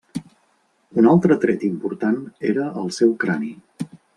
Un altre tret important era el seu crani.